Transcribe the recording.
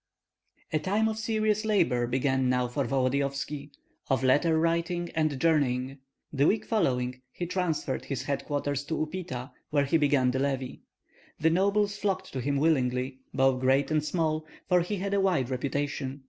A time of serious labor began now for Volodyovski, of letter writing and journeying. The week following he transferred his head quarters to Upita, where he began the levy. The nobles flocked to him willingly, both great and small, for he had a wide reputation.